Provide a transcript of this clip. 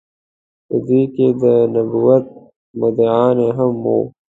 په دوی کې د نبوت مدعيانو هم وو